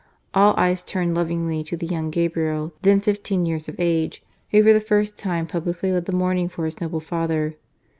All eyes turned lovingly to the young Gabriel, then fifteen years of age, who for the first time publicly led the mourning for his noble father.